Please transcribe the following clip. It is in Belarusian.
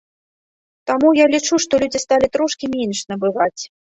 Таму я лічу, што людзі сталі трошкі менш набываць.